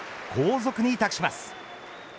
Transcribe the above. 後続に託します。